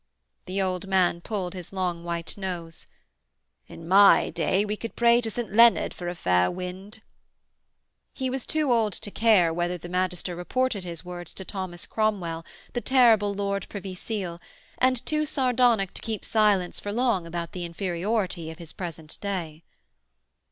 The old man pulled his long white nose: 'In my day we could pray to St Leonard for a fair wind.' He was too old to care whether the magister reported his words to Thomas Cromwell, the terrible Lord Privy Seal, and too sardonic to keep silence for long about the inferiority of his present day.